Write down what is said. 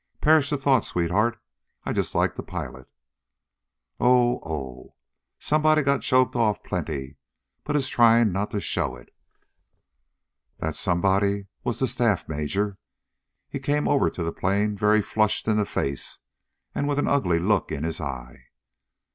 "Perish the thought, sweetheart. I just like to pilot. Oh oh! Somebody got choked off plenty, but is trying not to show it!" That somebody was the staff major. He came over to the plane very flushed in the face, and with an ugly look in his eye.